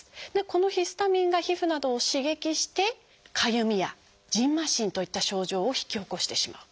このヒスタミンが皮膚などを刺激して「かゆみ」や「じんましん」といった症状を引き起こしてしまう。